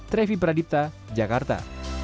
trevi pradipta jakarta